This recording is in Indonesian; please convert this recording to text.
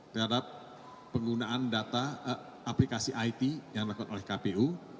terhadap penggunaan data aplikasi it yang dilakukan oleh kpu